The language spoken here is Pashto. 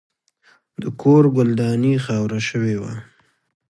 د کور ګلداني خاوره شوې وه.